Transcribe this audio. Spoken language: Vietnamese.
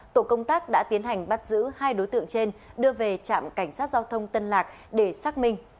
tổ công tác đã tiến hành bắt giữ hai đối tượng trên đưa về trạm cảnh sát giao thông tân lạc để xác minh